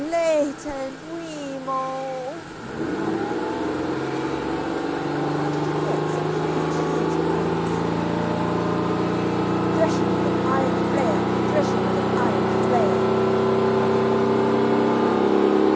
late and wee e e moul" (whiningly.) "How did you get such huge huge hands?" "Threshing with an iron flail, threshing with an iron flail" (gruffly).